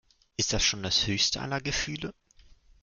Ist das schon das höchste aller Gefühle?